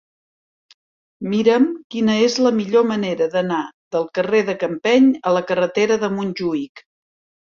Mira'm quina és la millor manera d'anar del carrer de Campeny a la carretera de Montjuïc.